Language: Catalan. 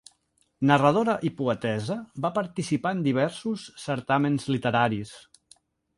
Narradora i poetessa va participar en diversos certàmens literaris.